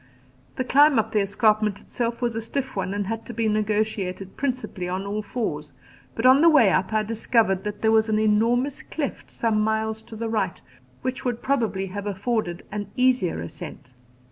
The climb up the escarpment itself was a stiff one, and had to be negotiated principally on all fours, but on the way up I discovered that there was an enormous cleft some miles to the right which would probably have afforded an easier ascent.